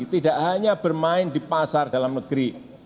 tidak hanya bermain di pasar dalam negeri